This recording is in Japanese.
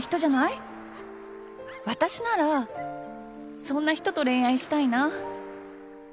私ならそんな人と恋愛したいな。